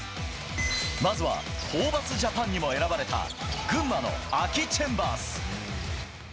まずはホーバスジャパンにも選ばれた群馬のアキ・チェンバース。